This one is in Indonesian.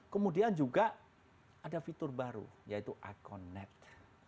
kemudian juga ada fitur baru yaitu iconnect